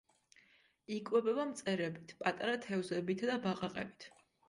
იკვებება მწერებით, პატარა თევზებითა და ბაყაყებით.